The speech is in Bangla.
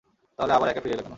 তাহলে আবার একা ফিরে এলে কেন?